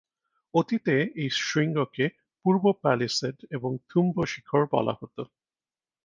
অতীতে এই শৃঙ্গকে "পূর্ব পালিসাডে" এবং "থুমব শিখর" বলা হত।